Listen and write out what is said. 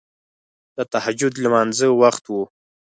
د تهجد لمانځه وخت وو.